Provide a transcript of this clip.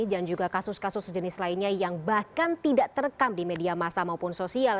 dan juga kasus kasus sejenis lainnya yang bahkan tidak terekam di media massa maupun sosial